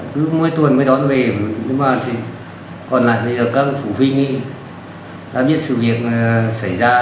cứ mỗi tuần mới đón về nhưng mà thì còn lại bây giờ các phụ huynh đã biết sự việc xảy ra